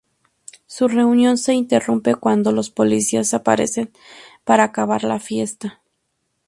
Su reunión se interrumpe cuando los policías aparecen para acabar la fiesta.